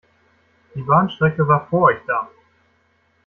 Die Bahnstrecke war vor euch da.